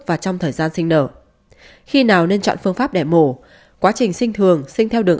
và trong thời gian sinh nở khi nào nên chọn phương pháp để mổ quá trình sinh thường sinh theo được